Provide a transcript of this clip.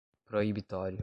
proibitório